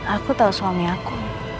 aku tau suami aku